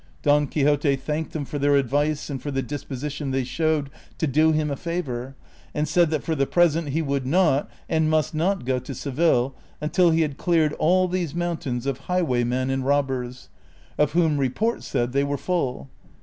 Don Quixote thanked them for their advice and for the disposition they showed to do him a favor, and said that for the present he woidd not, and must not go to Seville until he had cleared all these mountains of highwaymen and robbers, of whom report said they were full.